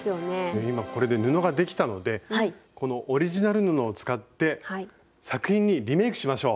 これで布ができたのでこのオリジナル布を使って作品にリメイクしましょう！